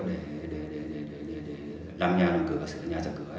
để làm nhà làm cửa sửa nhà sửa cửa